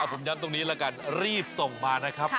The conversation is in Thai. ผมย้ำตรงนี้แล้วกันรีบส่งมานะครับ